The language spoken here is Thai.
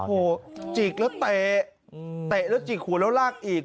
โอ้โหจิกแล้วเตะเตะแล้วจิกหัวแล้วลากอีก